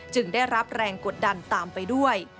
ได้รับแรงกดดันตามไปด้วย